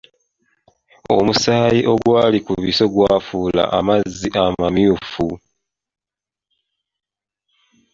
Omusaayi ogwali ku biso gwafuula amazzi amamyufu.